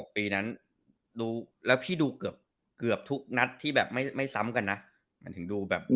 ๙๖ปีนั้นแล้วพี่ดูเกือบทุกนัดที่แบบไม่ซ้ำกันนะ